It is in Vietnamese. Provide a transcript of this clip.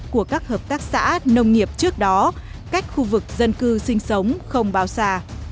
của các hợp tác xã nông nghiệp trước đó cách khu vực dân cư sinh sống không bao xa